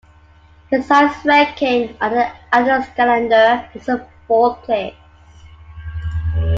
His highest ranking on the Adelskalender was a fourth place.